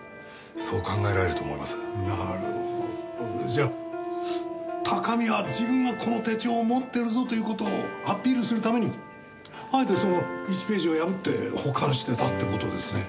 じゃあ高見は自分がこの手帳を持ってるぞという事をアピールするためにあえてその１ページを破って保管してたって事ですね。